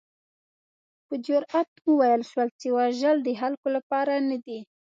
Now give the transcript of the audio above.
په جرات وویل شول چې وژل د خلکو لپاره نه دي.